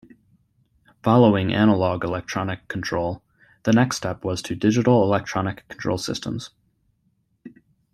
Following analog electronic control, the next step was to digital electronic control systems.